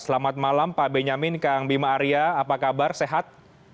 selamat malam pak benyamin kang bima arya apa kabar sehat